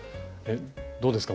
どうですか？